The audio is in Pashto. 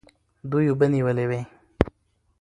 دوی اوبه نیولې وې.